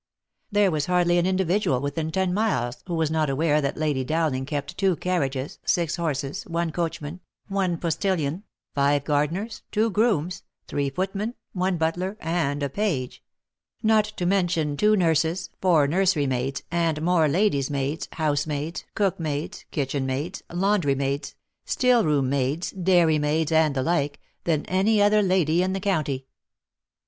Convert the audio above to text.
There was hardly an individual within ten miles who was not aware that Lady Dowling kept two carriages, six horses, one coachman, one postilion, five gardeners, two grooms, three footmen, one butler, and a page — not to mention two nurses, four nursery maids, and more ladies' maids, housemaids, cookmaids, kitchen maids, laundry maids, still room maids, dairy maids, and the like, than any other lady in the county.